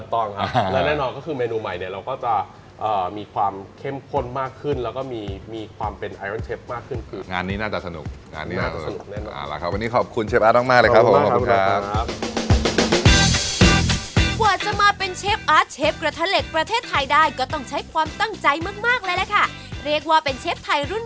ถูกต้องครับและแน่นอนเมนูใหม่เราก็จะมีความเข้มข้นมากขึ้นแล้วก็มีความเป็นไอรอนเชฟ